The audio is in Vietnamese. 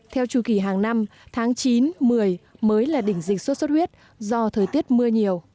theo chu kỳ hàng năm tháng chín một mươi mới là đỉnh dịch sốt xuất huyết do thời tiết mưa nhiều